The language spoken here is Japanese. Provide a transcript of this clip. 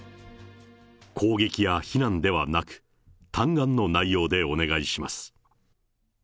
攻撃や非難ではなく、嘆願の内容でお願いします。